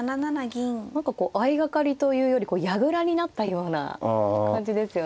何かこう相掛かりというより矢倉になったような感じですよね。